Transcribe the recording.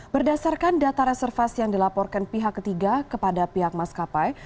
berdasarkan data reservasi yang dilaporkan pihak ketiga kepada pihak maskapai